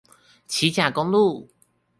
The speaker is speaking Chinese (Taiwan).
旗甲公路